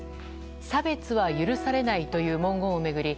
差別は許されないという文言を巡り